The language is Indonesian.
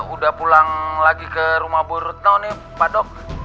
udah pulang lagi ke rumah bu rutno nih pak dok